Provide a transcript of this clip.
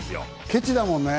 ケチだもんね。